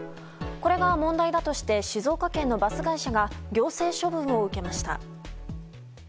これが問題だとして静岡県のバス会社が行政処分を受けました。